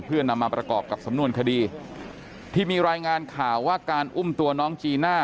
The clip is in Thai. เพื่อนำมาประกอบกับสำนวนคดีที่มีรายงานข่าวว่าการอุ้มตัวน้องจีน่า